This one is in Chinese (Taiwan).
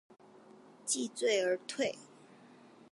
既醉而退